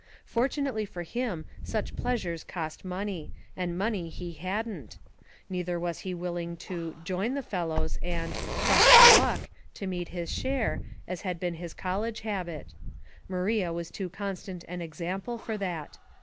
Fortunately for him such pleasures cost money, and money he hadn't; neither was he willing to "join the fellows" and trust to luck " to meet his share, as had been his college habit. Maria was too constant an example for that.